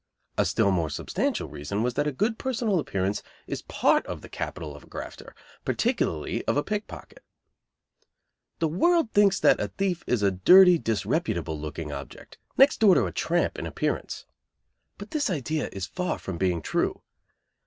A still more substantial reason was that a good personal appearance is part of the capital of a grafter, particularly of a pickpocket. The world thinks that a thief is a dirty, disreputable looking object, next door to a tramp in appearance. But this idea is far from being true.